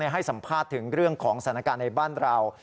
ให้สัมภาษณ์ถึงเรื่องของสถานการณ์ในบ้านเรา